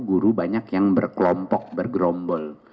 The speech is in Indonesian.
guru banyak yang berkelompok bergrombol